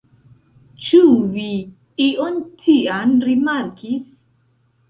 Ĉu vi ion tian rimarkis?